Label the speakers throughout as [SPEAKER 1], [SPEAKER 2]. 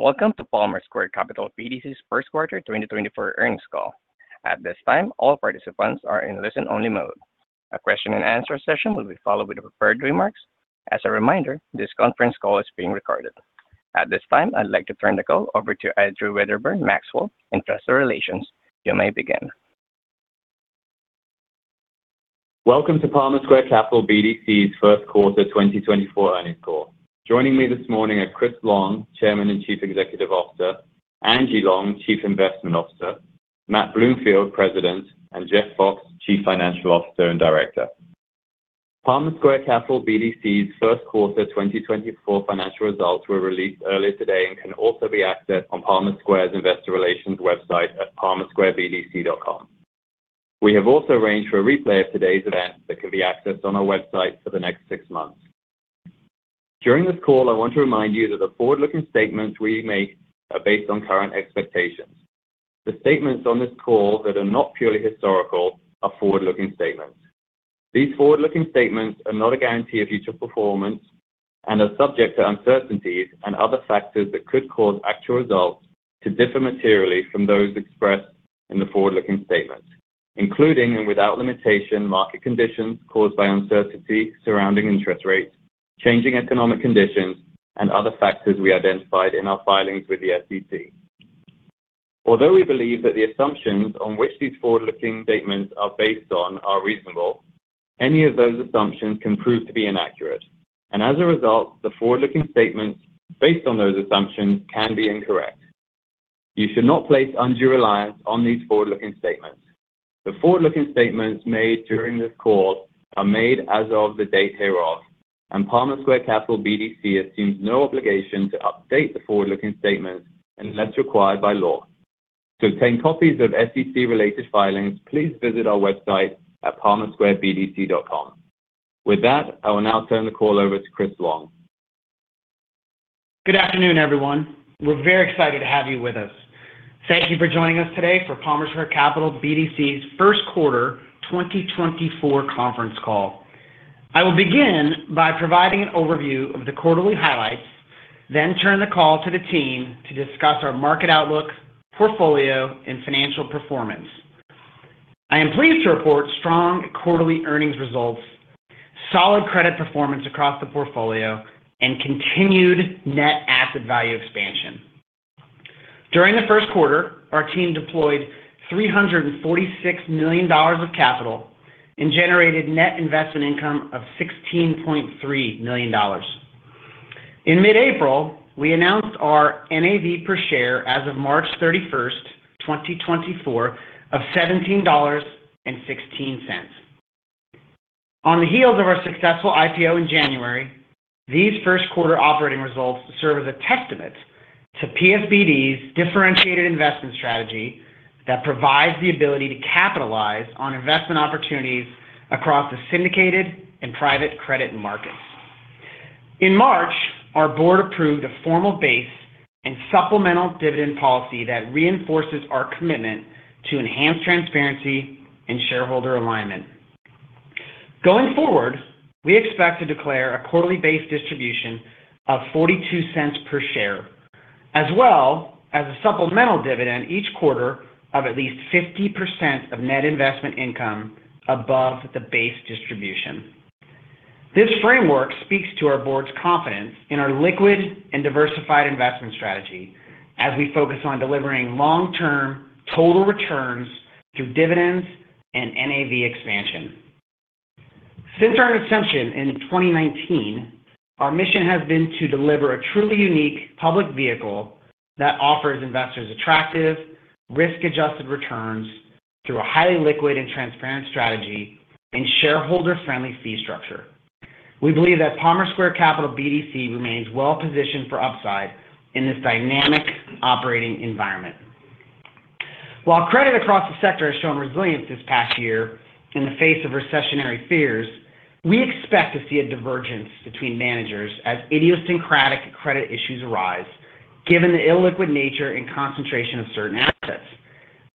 [SPEAKER 1] Welcome to Palmer Square Capital BDC's first quarter 2024 earnings call. At this time, all participants are in listen-only mode. A question and answer session will be followed with the prepared remarks. As a reminder, this conference call is being recorded. At this time, I'd like to turn the call over to Andrew Wedderburn-Maxwell, Investor Relations. You may begin.
[SPEAKER 2] Welcome to Palmer Square Capital BDC's first quarter 2024 earnings call. Joining me this morning are Chris Long, Chairman and Chief Executive Officer, Angie Long, Chief Investment Officer, Matt Bloomfield, President, and Jeff Fox, Chief Financial Officer and Director. Palmer Square Capital BDC's first quarter 2024 financial results were released earlier today and can also be accessed on Palmer Square's investor relations website at palmersquarebdc.com. We have also arranged for a replay of today's event that can be accessed on our website for the next six months. During this call, I want to remind you that the forward-looking statements we make are based on current expectations. The statements on this call that are not purely historical are forward-looking statements. These forward-looking statements are not a guarantee of future performance and are subject to uncertainties and other factors that could cause actual results to differ materially from those expressed in the forward-looking statements, including and without limitation, market conditions caused by uncertainty surrounding interest rates, changing economic conditions, and other factors we identified in our filings with the SEC. Although we believe that the assumptions on which these forward-looking statements are based on are reasonable, any of those assumptions can prove to be inaccurate, and as a result, the forward-looking statements based on those assumptions can be incorrect. You should not place undue reliance on these forward-looking statements. The forward-looking statements made during this call are made as of the date hereof, and Palmer Square Capital BDC assumes no obligation to update the forward-looking statements unless required by law. To obtain copies of SEC-related filings, please visit our website at palmersquarebdc.com. With that, I will now turn the call over to Chris Long.
[SPEAKER 3] Good afternoon, everyone. We're very excited to have you with us. Thank you for joining us today for Palmer Square Capital BDC's first quarter 2024 conference call. I will begin by providing an overview of the quarterly highlights, then turn the call to the team to discuss our market outlook, portfolio, and financial performance. I am pleased to report strong quarterly earnings results, solid credit performance across the portfolio, and continued NAV expansion. During the first quarter, our team deployed $346 million of capital and generated net investment income of $16.3 million. In mid-April, we announced our NAV per share as of March 31st, 2024, of $17.16. On the heels of our successful IPO in January, these first quarter operating results serve as a testament to PSBD's differentiated investment strategy that provides the ability to capitalize on investment opportunities across the syndicated and private credit markets. In March, our board approved a formal base and supplemental dividend policy that reinforces our commitment to enhance transparency and shareholder alignment. Going forward, we expect to declare a quarterly base distribution of $0.42 per share, as well as a supplemental dividend each quarter of at least 50% of net investment income above the base distribution. This framework speaks to our board's confidence in our liquid and diversified investment strategy as we focus on delivering long-term total returns through dividends and NAV expansion. Since our inception in 2019, our mission has been to deliver a truly unique public vehicle that offers investors attractive risk-adjusted returns through a highly liquid and transparent strategy and shareholder-friendly fee structure. We believe that Palmer Square Capital BDC remains well-positioned for upside in this dynamic operating environment. While credit across the sector has shown resilience this past year in the face of recessionary fears, we expect to see a divergence between managers as idiosyncratic credit issues arise given the illiquid nature and concentration of certain assets.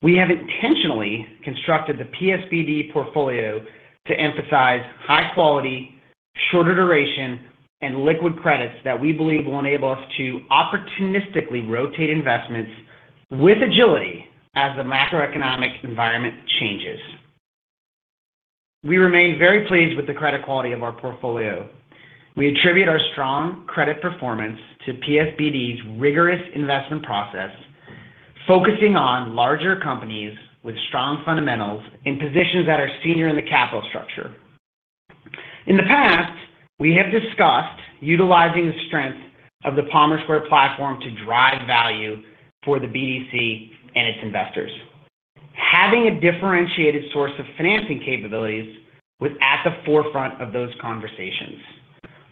[SPEAKER 3] We have intentionally constructed the PSBD portfolio to emphasize high quality, shorter duration, and liquid credits that we believe will enable us to opportunistically rotate investments with agility as the macroeconomic environment changes. We remain very pleased with the credit quality of our portfolio. We attribute our strong credit performance to PSBD's rigorous investment process, focusing on larger companies with strong fundamentals in positions that are senior in the capital structure. In the past, we have discussed utilizing the strength of the Palmer Square platform to drive value for the BDC and its investors. Having a differentiated source of financing capabilities was at the forefront of those conversations.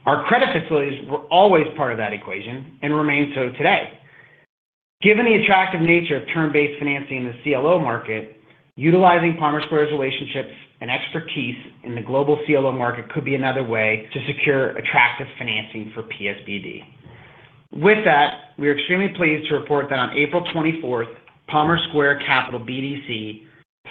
[SPEAKER 3] Our credit facilities were always part of that equation and remain so today. Given the attractive nature of term-based financing in the CLO market, utilizing Palmer Square's relationships and expertise in the global CLO market could be another way to secure attractive financing for PSBD. With that, we are extremely pleased to report that on April 24th, Palmer Square Capital BDC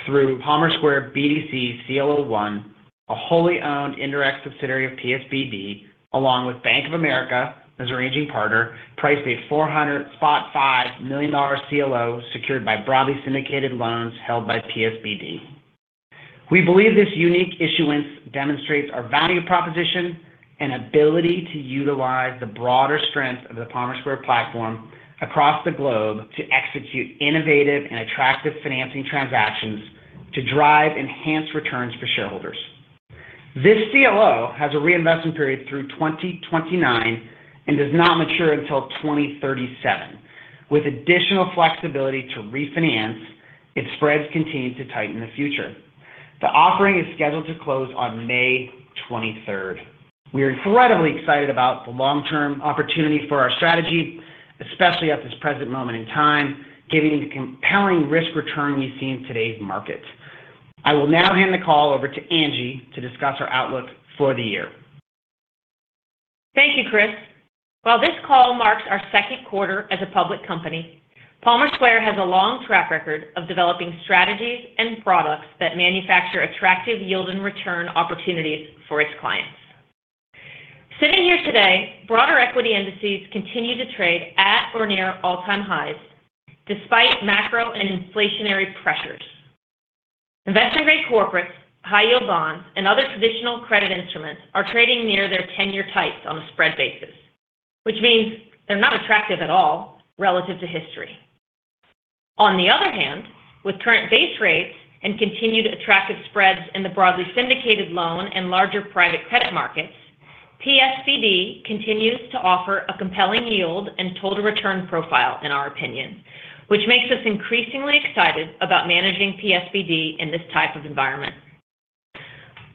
[SPEAKER 3] Through Palmer Square BDC CLO I, a wholly owned indirect subsidiary of PSBD, along with Bank of America as arranging partner, priced a $400.5 million CLO secured by broadly syndicated loans held by PSBD. We believe this unique issuance demonstrates our value proposition and ability to utilize the broader strength of the Palmer Square platform across the globe to execute innovative and attractive financing transactions to drive enhanced returns for shareholders. This CLO has a reinvestment period through 2029 and does not mature until 2037. With additional flexibility to refinance, if spreads continue to tighten in the future. The offering is scheduled to close on May 23rd. We are incredibly excited about the long-term opportunity for our strategy, especially at this present moment in time, given the compelling risk-return we see in today's market. I will now hand the call over to Angie to discuss our outlook for the year.
[SPEAKER 4] Thank you, Chris. While this call marks our second quarter as a public company, Palmer Square has a long track record of developing strategies and products that manufacture attractive yield and return opportunities for its clients. Sitting here today, broader equity indices continue to trade at or near all-time highs, despite macro and inflationary pressures. Investment-grade corporates, high-yield bonds, and other traditional credit instruments are trading near their 10-year tights on a spread basis, which means they're not attractive at all relative to history. On the other hand, with current base rates and continued attractive spreads in the broadly syndicated loan and larger private credit markets, PSBD continues to offer a compelling yield and total return profile in our opinion, which makes us increasingly excited about managing PSBD in this type of environment.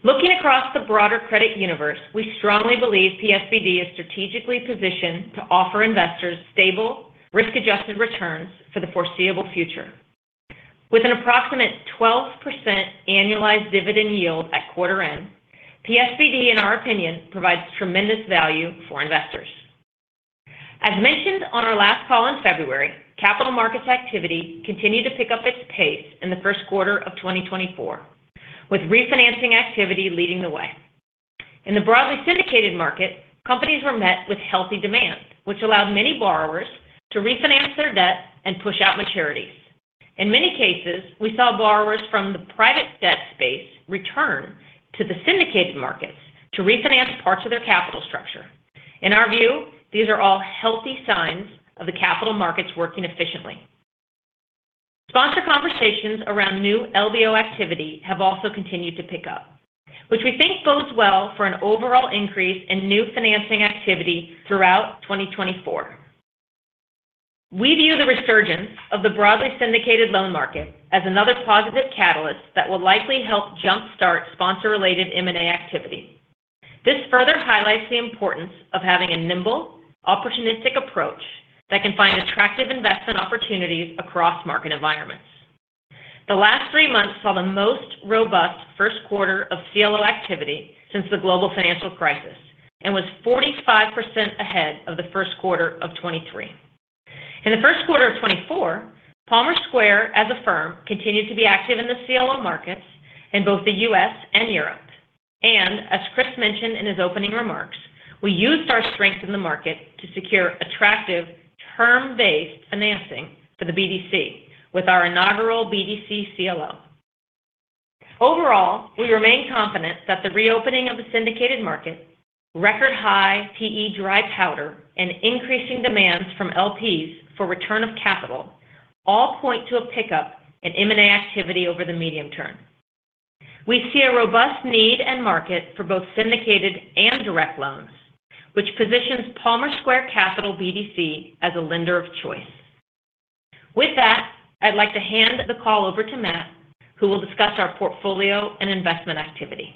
[SPEAKER 4] Looking across the broader credit universe, we strongly believe PSBD is strategically positioned to offer investors stable, risk-adjusted returns for the foreseeable future. With an approximate 12% annualized dividend yield at quarter-end, PSBD, in our opinion, provides tremendous value for investors. As mentioned on our last call in February, capital markets activity continued to pick up its pace in the first quarter of 2024, with refinancing activity leading the way. In the broadly syndicated market, companies were met with healthy demand, which allowed many borrowers to refinance their debt and push out maturities. In many cases, we saw borrowers from the private debt space return to the syndicated markets to refinance parts of their capital structure. In our view, these are all healthy signs of the capital markets working efficiently. Sponsor conversations around new LBO activity have also continued to pick up, which we think bodes well for an overall increase in new financing activity throughout 2024. We view the resurgence of the broadly syndicated loan market as another positive catalyst that will likely help jumpstart sponsor-related M&A activity. This further highlights the importance of having a nimble, opportunistic approach that can find attractive investment opportunities across market environments. The last three months saw the most robust first quarter of CLO activity since the global financial crisis and was 45% ahead of the first quarter of 2023. In the first quarter of 2024, Palmer Square, as a firm, continued to be active in the CLO markets in both the U.S. and Europe. As Chris mentioned in his opening remarks, we used our strength in the market to secure attractive term-based financing for the BDC with our inaugural BDC CLO. Overall, we remain confident that the reopening of the syndicated market, record-high PE dry powder, and increasing demands from LPs for return of capital all point to a pickup in M&A activity over the medium term. We see a robust need and market for both syndicated and direct loans, which positions Palmer Square Capital BDC as a lender of choice. With that, I'd like to hand the call over to Matt, who will discuss our portfolio and investment activity.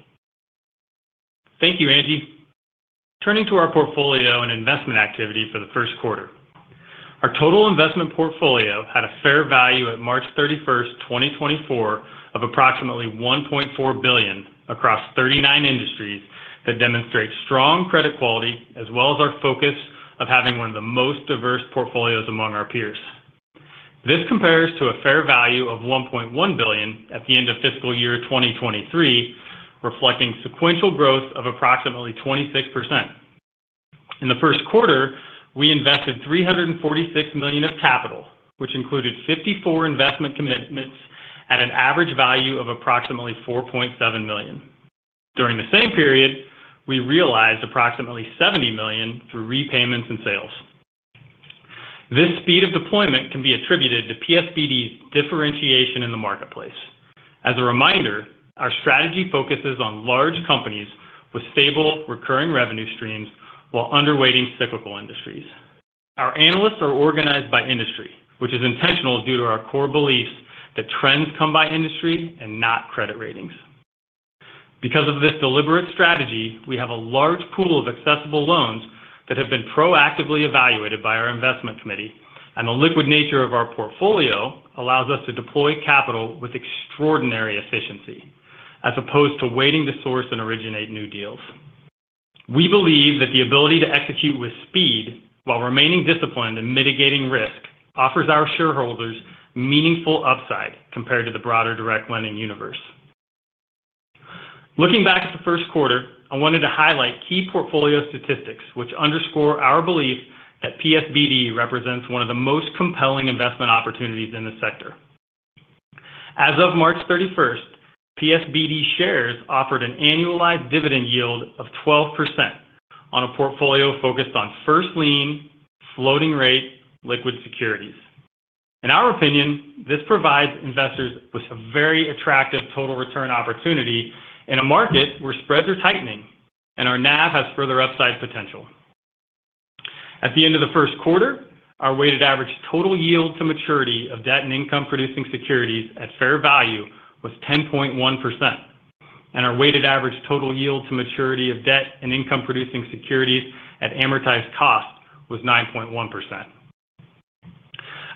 [SPEAKER 5] Thank you, Angie. Turning to our portfolio and investment activity for the first quarter. Our total investment portfolio had a fair value at March 31st, 2024, of approximately $1.4 billion across 39 industries that demonstrate strong credit quality, as well as our focus of having one of the most diverse portfolios among our peers. This compares to a fair value of $1.1 billion at the end of fiscal year 2023, reflecting sequential growth of approximately 26%. In the first quarter, we invested $346 million of capital, which included 54 investment commitments at an average value of approximately $4.7 million. During the same period, we realized approximately $70 million through repayments and sales. This speed of deployment can be attributed to PSBD's differentiation in the marketplace. As a reminder, our strategy focuses on large companies with stable, recurring revenue streams while underweighting cyclical industries. Our analysts are organized by industry, which is intentional due to our core beliefs that trends come by industry and not credit ratings. Because of this deliberate strategy, we have a large pool of accessible loans that have been proactively evaluated by our investment committee. The liquid nature of our portfolio allows us to deploy capital with extraordinary efficiency as opposed to waiting to source and originate new deals. We believe that the ability to execute with speed while remaining disciplined and mitigating risk offers our shareholders meaningful upside compared to the broader direct lending universe. Looking back at the first quarter, I wanted to highlight key portfolio statistics which underscore our belief that PSBD represents one of the most compelling investment opportunities in the sector. As of March 31st, PSBD shares offered an annualized dividend yield of 12% on a portfolio focused on first-lien, floating rate liquid securities. In our opinion, this provides investors with a very attractive total return opportunity in a market where spreads are tightening and our NAV has further upside potential. At the end of the first quarter, our weighted average total yield to maturity of debt and income-producing securities at fair value was 10.1%. Our weighted average total yield to maturity of debt and income-producing securities at amortized cost was 9.1%.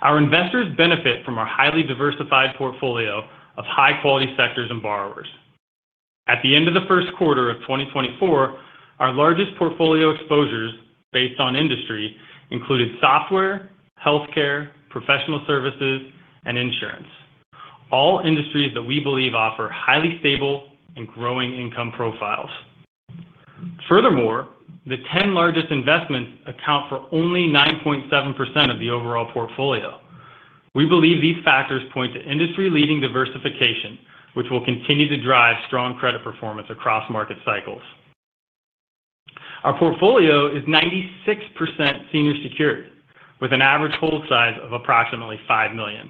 [SPEAKER 5] Our investors benefit from our highly diversified portfolio of high-quality sectors and borrowers. At the end of the first quarter of 2024, our largest portfolio exposures based on industry included software, healthcare, professional services, and insurance, all industries that we believe offer highly stable and growing income profiles. Furthermore, the 10 largest investments account for only 9.7% of the overall portfolio. We believe these factors point to industry-leading diversification, which will continue to drive strong credit performance across market cycles. Our portfolio is 96% senior secured, with an average hold size of approximately $5 million.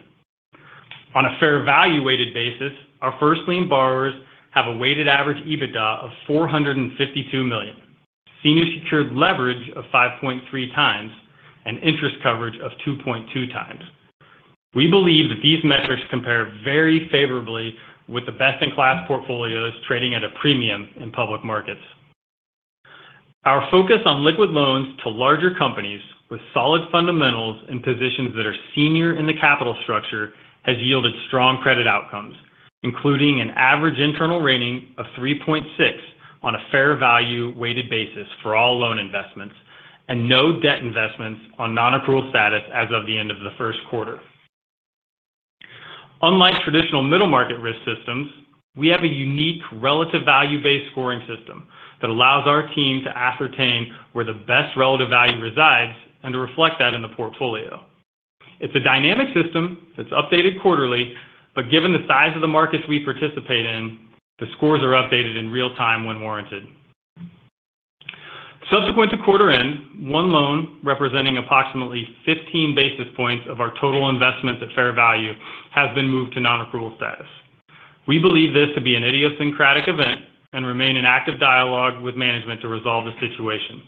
[SPEAKER 5] On a fair value-weighted basis, our first lien borrowers have a weighted average EBITDA of $452 million, senior secured leverage of 5.3x, and interest coverage of 2.2x. We believe that these metrics compare very favorably with the best-in-class portfolios trading at a premium in public markets. Our focus on liquid loans to larger companies with solid fundamentals and positions that are senior in the capital structure has yielded strong credit outcomes, including an average internal rating of 3.6 on a fair value-weighted basis for all loan investments, and no debt investments on non-accrual status as of the end of the first quarter. Unlike traditional middle-market risk systems, we have a unique relative value-based scoring system that allows our team to ascertain where the best relative value resides and to reflect that in the portfolio. It's a dynamic system that's updated quarterly, but given the size of the markets we participate in, the scores are updated in real time when warranted. Subsequent to quarter end, one loan representing approximately 15 basis points of our total investments at fair value has been moved to non-accrual status. We believe this to be an idiosyncratic event and remain in active dialogue with management to resolve the situation.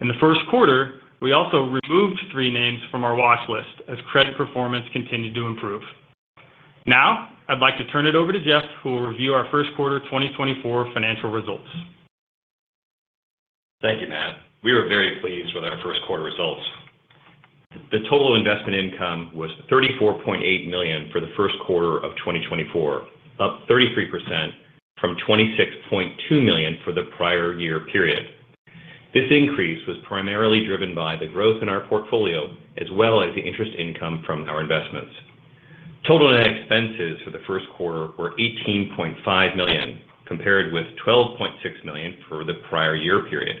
[SPEAKER 5] In the first quarter, we also removed three names from our watch list as credit performance continued to improve. Now, I'd like to turn it over to Jeff, who will review our first quarter 2024 financial results.
[SPEAKER 6] Thank you, Matt. We are very pleased with our first quarter results. The total investment income was $34.8 million for the first quarter of 2024, up 33% from $26.2 million for the prior year period. This increase was primarily driven by the growth in our portfolio, as well as the interest income from our investments. Total net expenses for the first quarter were $18.5 million, compared with $12.6 million for the prior year period.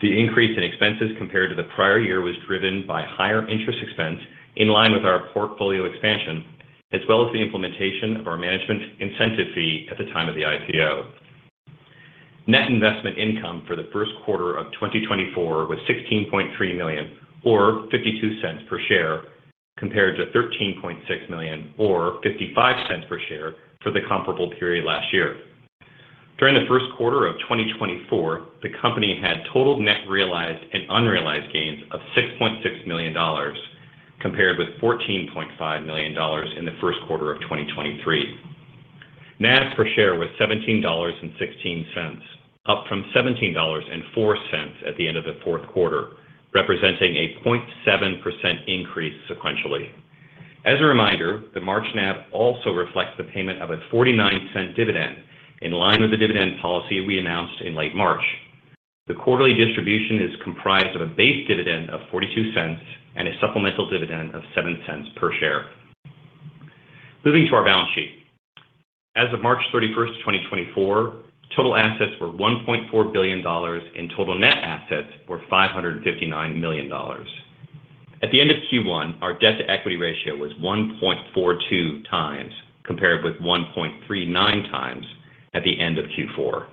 [SPEAKER 6] The increase in expenses compared to the prior year was driven by higher interest expense in line with our portfolio expansion, as well as the implementation of our management incentive fee at the time of the IPO. Net investment income for the first quarter of 2024 was $16.3 million or $0.52 per share, compared to $13.6 million or $0.55 per share for the comparable period last year. During the first quarter of 2024, the company had total net realized and unrealized gains of $6.6 million, compared with $14.5 million in the first quarter of 2023. NAV per share was $17.16, up from $17.04 at the end of the fourth quarter, representing a 0.7% increase sequentially. As a reminder, the March NAV also reflects the payment of a $0.49 dividend in line with the dividend policy we announced in late March. The quarterly distribution is comprised of a base dividend of $0.42 and a supplemental dividend of $0.07 per share. Moving to our balance sheet. As of March 31st, 2024, total assets were $1.4 billion, and total net assets were $559 million. At the end of Q1, our debt-to-equity ratio was 1.42x, compared with 1.39x at the end of Q4.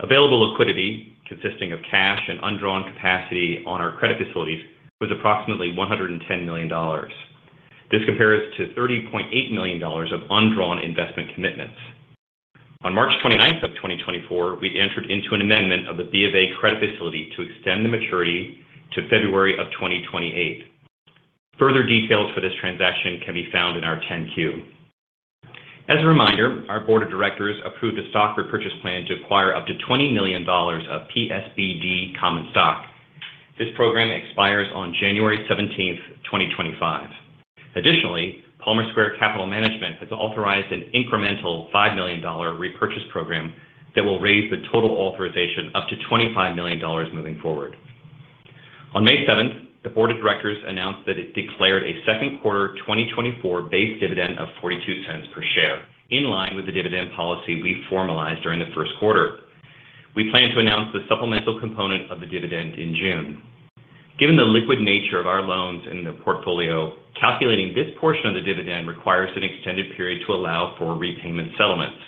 [SPEAKER 6] Available liquidity, consisting of cash and undrawn capacity on our credit facilities, was approximately $110 million. This compares to $30.8 million of undrawn investment commitments. On March 29th of 2024, we entered into an amendment of the Bank of America credit facility to extend the maturity to February of 2028. Further details for this transaction can be found in our 10-Q. As a reminder, our board of directors approved a stock repurchase plan to acquire up to $20 million of PSBD common stock. This program expires on January 17th, 2025. Additionally, Palmer Square Capital Management has authorized an incremental $5 million repurchase program that will raise the total authorization up to $25 million moving forward. On May 7th, the board of directors announced that it declared a second quarter 2024 base dividend of $0.42 per share, in line with the dividend policy we formalized during the first quarter. We plan to announce the supplemental component of the dividend in June. Given the liquid nature of our loans in the portfolio, calculating this portion of the dividend requires an extended period to allow for repayment settlements.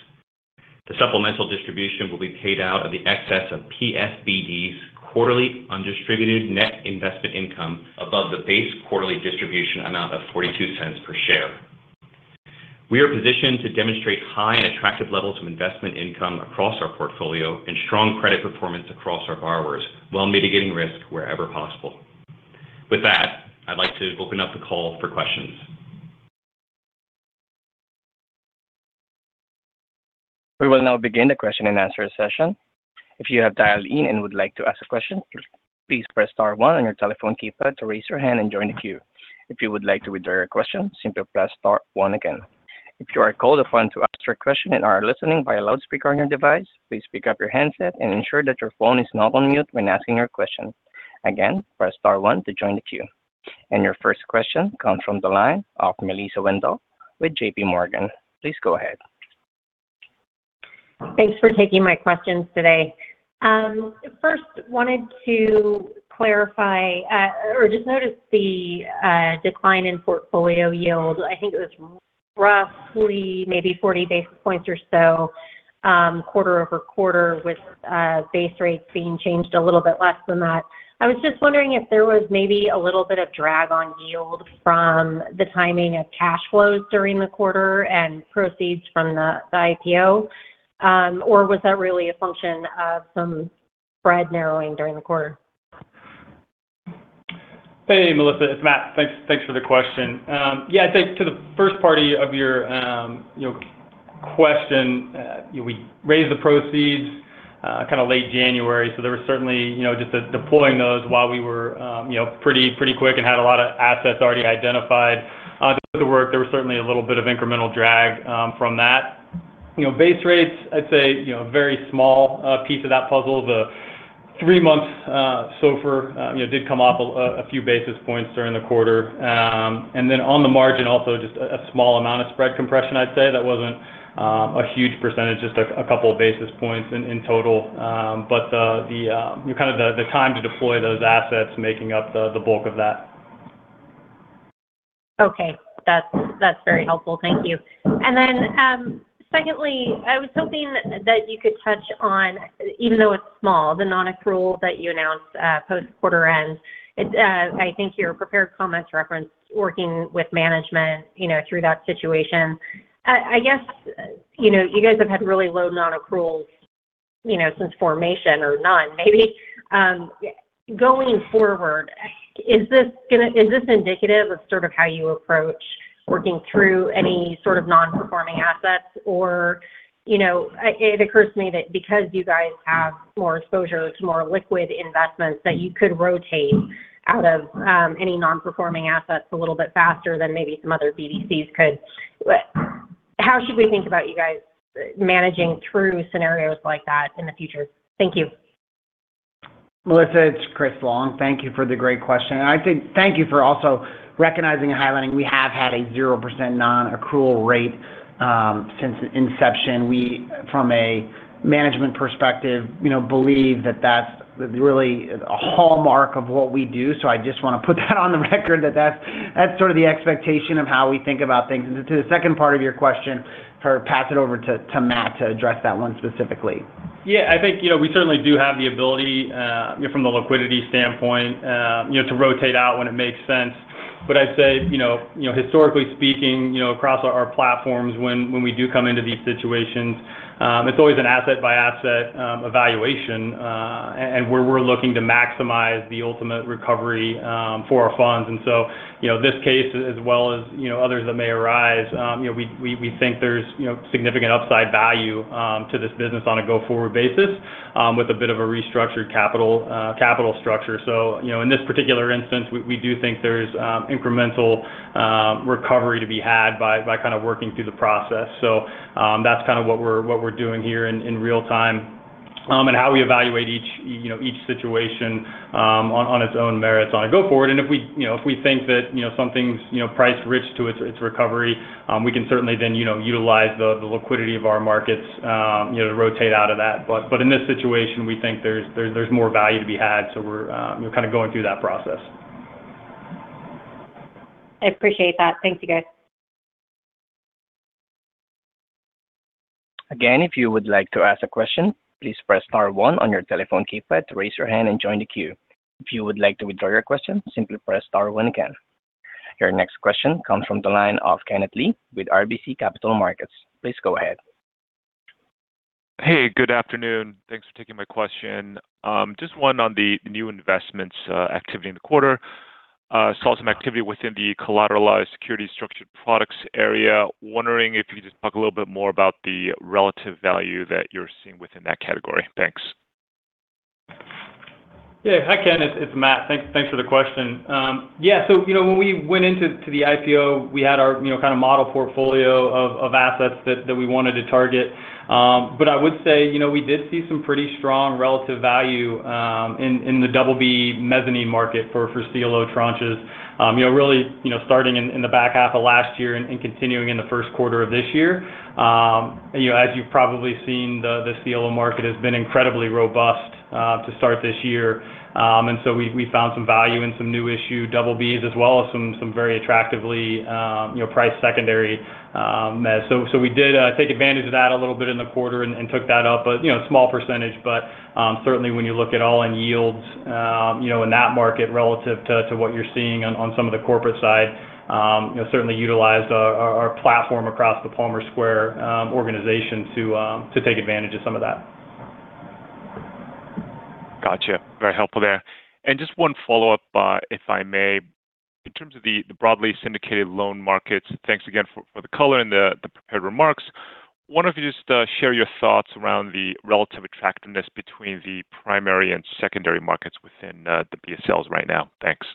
[SPEAKER 6] The supplemental distribution will be paid out of the excess of PSBD's quarterly undistributed net investment income above the base quarterly distribution amount of $0.42 per share. We are positioned to demonstrate high and attractive levels of investment income across our portfolio and strong credit performance across our borrowers while mitigating risk wherever possible. With that, I'd like to open up the call for questions.
[SPEAKER 1] We will now begin the question and answer session. If you have dialed in and would like to ask a question, please press star one on your telephone keypad to raise your hand and join the queue. If you would like to withdraw your question, simply press star one again. If you are called upon to ask your question and are listening by a loudspeaker on your device, please pick up your handset and ensure that your phone is not on mute when asking your question. Again, press star one to join the queue. Your first question comes from the line of Melissa Wedel with JPMorgan. Please go ahead.
[SPEAKER 7] Thanks for taking my questions today. First, wanted to clarify or just noticed the decline in portfolio yield. I think it was roughly maybe 40 basis points or so quarter-over-quarter with base rates being changed a little bit less than that. I was just wondering if there was maybe a little bit of drag on yield from the timing of cash flows during the quarter and proceeds from the IPO. Was that really a function of some spread narrowing during the quarter?
[SPEAKER 5] Hey, Melissa. It's Matt. Thanks for the question. I think to the first part of your question, we raised the proceeds late January, so there was certainly just deploying those while we were pretty quick and had a lot of assets already identified. The other work, there was certainly a little bit of incremental drag from that. Base rates, I'd say, a very small piece of that puzzle. The three months SOFR did come off a few basis points during the quarter. On the margin, also, just a small amount of spread compression, I'd say. That wasn't a huge percentage, just a couple of basis points in total. The time to deploy those assets making up the bulk of that.
[SPEAKER 7] Okay. That's very helpful. Thank you. Secondly, I was hoping that you could touch on, even though it's small, the non-accrual that you announced post quarter-end. I think your prepared comments referenced working with management through that situation. I guess you guys have had really low non-accruals since formation or none maybe. Going forward, is this indicative of how you approach working through any sort of non-performing assets? It occurs to me that because you guys have more exposure to more liquid investments, that you could rotate out of any non-performing assets a little bit faster than maybe some other BDCs could. How should we think about you guys managing through scenarios like that in the future? Thank you.
[SPEAKER 3] Melissa, it's Chris Long. Thank you for the great question. Thank you for also recognizing and highlighting we have had a 0% non-accrual rate since inception. We, from a management perspective, believe that that's really a hallmark of what we do. I just want to put that on the record that that's sort of the expectation of how we think about things. To the second part of your question, pass it over to Matt to address that one specifically.
[SPEAKER 5] I think we certainly do have the ability from the liquidity standpoint to rotate out when it makes sense. I'd say, historically speaking, across our platforms, when we do come into these situations, it's always an asset-by-asset evaluation. We're looking to maximize the ultimate recovery for our funds. This case, as well as others that may arise, we think there's significant upside value to this business on a go-forward basis with a bit of a restructured capital structure. In this particular instance, we do think there's incremental recovery to be had by working through the process. That's what we're doing here in real time and how we evaluate each situation on its own merits on a go-forward. If we think that something's priced rich to its recovery, we can certainly then utilize the liquidity of our markets to rotate out of that. In this situation, we think there's more value to be had. We're going through that process.
[SPEAKER 7] I appreciate that. Thank you, guys.
[SPEAKER 1] Again, if you would like to ask a question, please press star one on your telephone keypad to raise your hand and join the queue. If you would like to withdraw your question, simply press star one again. Your next question comes from the line of Kenneth Lee with RBC Capital Markets. Please go ahead.
[SPEAKER 8] Hey, good afternoon. Thanks for taking my question. Just one on the new investments activity in the quarter. Saw some activity within the collateralized security structured products area. Wondering if you could just talk a little bit more about the relative value that you're seeing within that category. Thanks.
[SPEAKER 5] Yeah. Hi, Ken. It's Matt. Thanks for the question. Yeah. When we went into the IPO, we had our model portfolio of assets that we wanted to target. I would say, we did see some pretty strong relative value in the BB mezzanine market for CLO tranches. Really, starting in the back half of last year and continuing in the first quarter of this year. As you've probably seen, the CLO market has been incredibly robust to start this year. We found some value in some new issue BBs, as well as some very attractively priced secondary mezz. We did take advantage of that a little bit in the quarter and took that up a small percentage. Certainly when you look at all-in yields in that market relative to what you're seeing on some of the corporate side, certainly utilized our platform across the Palmer Square organization to take advantage of some of that.
[SPEAKER 8] Got you. Very helpful there. Just one follow-up, if I may. In terms of the broadly syndicated loan markets, thanks again for the color and the prepared remarks. Want to just share your thoughts around the relative attractiveness between the primary and secondary markets within the BSLs right now. Thanks.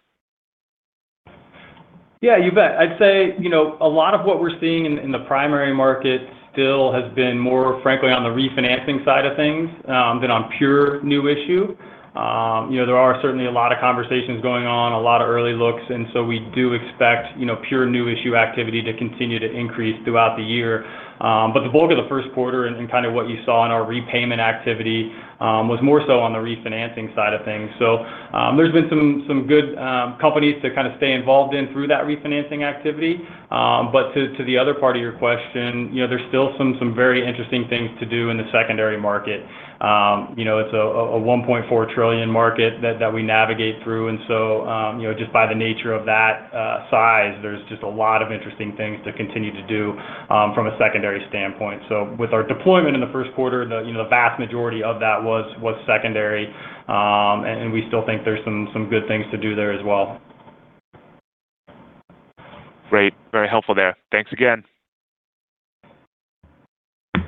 [SPEAKER 5] Yeah, you bet. I'd say, a lot of what we're seeing in the primary market still has been more, frankly, on the refinancing side of things than on pure new issue. There are certainly a lot of conversations going on, a lot of early looks, we do expect pure new issue activity to continue to increase throughout the year. The bulk of the first quarter and what you saw in our repayment activity was more so on the refinancing side of things. There's been some good companies to stay involved in through that refinancing activity. To the other part of your question, there's still some very interesting things to do in the secondary market. It's a $1.4 trillion market that we navigate through, just by the nature of that size, there's just a lot of interesting things to continue to do from a secondary standpoint. With our deployment in the first quarter, the vast majority of that was secondary. We still think there's some good things to do there as well.
[SPEAKER 8] Great. Very helpful there. Thanks again.
[SPEAKER 1] Our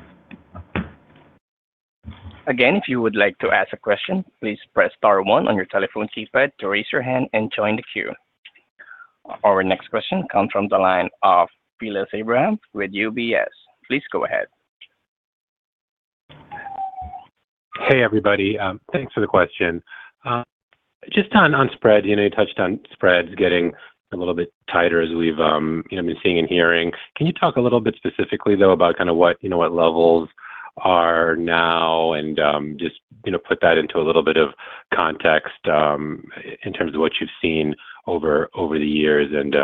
[SPEAKER 1] next question comes from the line of Vilas Abraham with UBS
[SPEAKER 9] Hey, everybody. Thanks for the question. Just on spread, you touched on spreads getting a little bit tighter as we've been seeing and hearing. Can you talk a little bit specifically, though, about what levels are now and just put that into a little bit of context in terms of what you've seen over the years and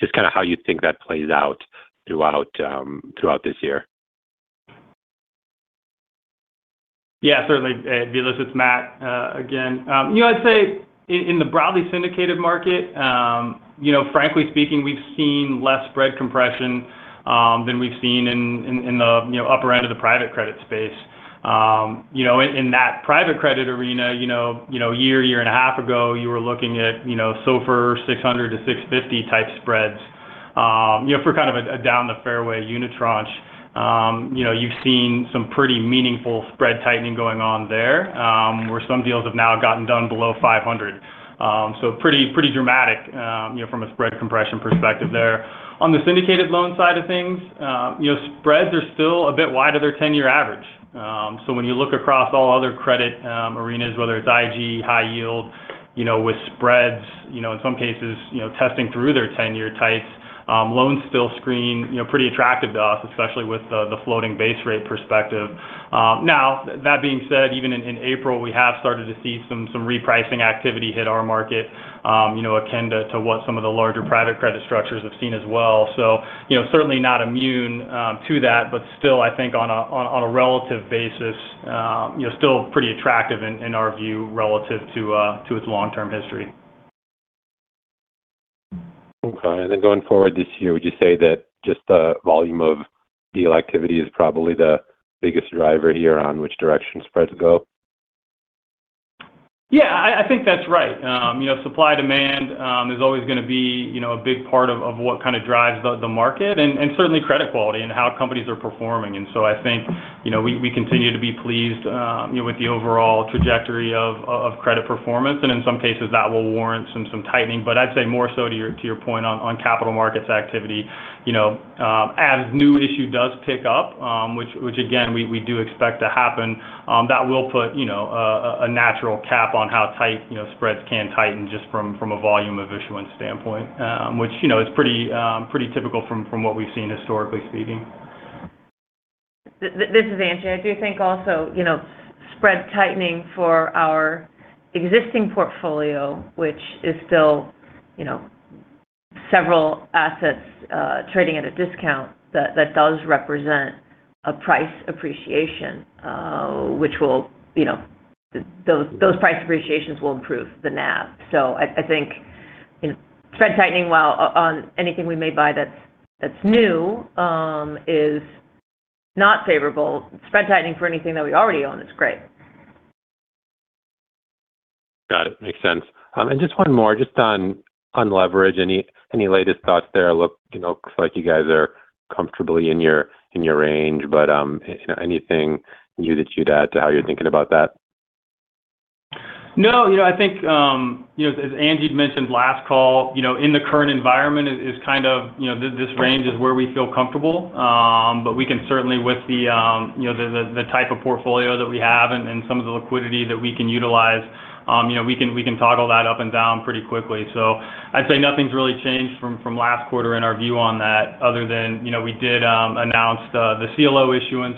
[SPEAKER 9] just how you think that plays out throughout this year?
[SPEAKER 5] Yeah, certainly. Vilas, it's Matt again. I'd say in the broadly syndicated market, frankly speaking, we've seen less spread compression than we've seen in the upper end of the private credit space. In that private credit arena, year and a half ago, you were looking at SOFR 600 to 650 type spreads for a down-the-fairway unit tranche. You've seen some pretty meaningful spread tightening going on there where some deals have now gotten done below 500. Pretty dramatic from a spread compression perspective there. On the syndicated loan side of things, spreads are still a bit wide of their 10-year average. When you look across all other credit arenas, whether it's IG, high yield with spreads, in some cases, testing through their 10-year tights, loans still screen pretty attractive to us, especially with the floating base rate perspective. That being said, even in April, we have started to see some repricing activity hit our market, akin to what some of the larger private credit structures have seen as well. Certainly not immune to that, but still, I think on a relative basis, still pretty attractive in our view, relative to its long-term history.
[SPEAKER 9] Okay. Going forward this year, would you say that just the volume of deal activity is probably the biggest driver here on which direction spreads go?
[SPEAKER 5] Yeah, I think that's right. Supply-demand is always going to be a big part of what kind of drives the market, and certainly credit quality and how companies are performing. I think we continue to be pleased with the overall trajectory of credit performance, and in some cases, that will warrant some tightening. I'd say more so to your point on capital markets activity. As new issue does pick up, which again, we do expect to happen, that will put a natural cap on how tight spreads can tighten just from a volume of issuance standpoint, which is pretty typical from what we've seen historically speaking.
[SPEAKER 4] This is Angie. I do think also spread tightening for our existing portfolio, which is still several assets trading at a discount that does represent a price appreciation. Those price appreciations will improve the NAV. I think spread tightening while on anything we may buy that's new is not favorable. Spread tightening for anything that we already own is great.
[SPEAKER 9] Got it. Makes sense. Just one more just on leverage. Any latest thoughts there? Looks like you guys are comfortably in your range, but anything new that you'd add to how you're thinking about that?
[SPEAKER 5] No. I think, as Angie had mentioned last call, in the current environment this range is where we feel comfortable. We can certainly with the type of portfolio that we have and some of the liquidity that we can utilize, we can toggle that up and down pretty quickly. I'd say nothing's really changed from last quarter in our view on that other than we did announce the CLO issuance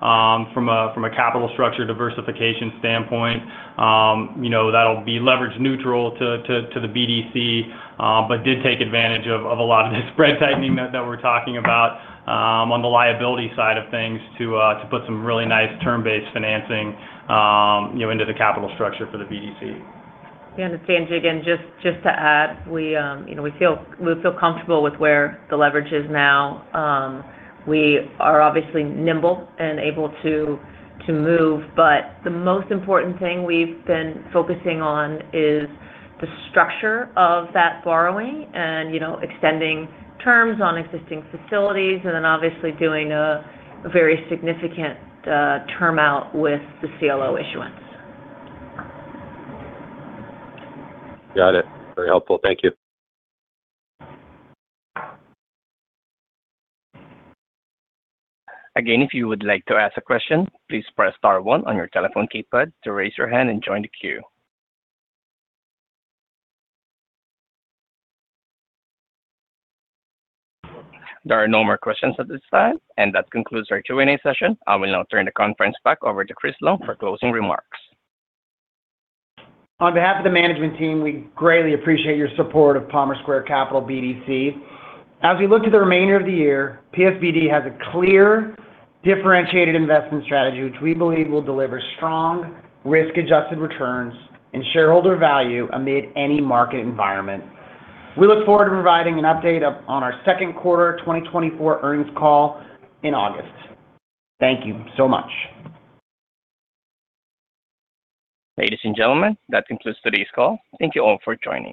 [SPEAKER 5] from a capital structure diversification standpoint. That'll be leverage neutral to the BDC, but did take advantage of a lot of the spread tightening that we're talking about on the liability side of things to put some really nice term-based financing into the capital structure for the BDC.
[SPEAKER 4] Yeah. It's Angie again, just to add, we feel comfortable with where the leverage is now. We are obviously nimble and able to move, but the most important thing we've been focusing on is the structure of that borrowing and extending terms on existing facilities and then obviously doing a very significant term out with the CLO issuance.
[SPEAKER 9] Got it. Very helpful. Thank you.
[SPEAKER 1] Again, if you would like to ask a question, please press star one on your telephone keypad to raise your hand and join the queue. There are no more questions at this time, and that concludes our Q&A session. I will now turn the conference back over to Chris Long for closing remarks.
[SPEAKER 3] On behalf of the management team, we greatly appreciate your support of Palmer Square Capital BDC. As we look to the remainder of the year, PSBD has a clear, differentiated investment strategy, which we believe will deliver strong risk-adjusted returns and shareholder value amid any market environment. We look forward to providing an update on our second quarter 2024 earnings call in August. Thank you so much.
[SPEAKER 1] Ladies and gentlemen, that concludes today's call. Thank you all for joining.